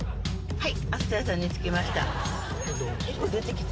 はい。